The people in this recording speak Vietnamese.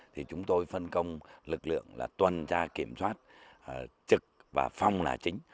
thì chúng tôi phân công lực lượng là tuần tra kiểm soát trực và phong là chính